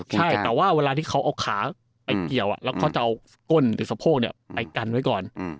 ใช่แต่ว่าเวลาที่เขาเอาขาไปเกี่ยวแล้วเขาจะเอาก้นหรือสะโพกไปกันไว้ก่อน